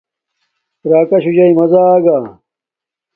راکاشُُو جاݶ مزا اگا چھا